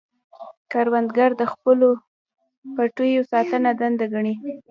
کروندګر د خپلو پټیو ساتنه دنده ګڼي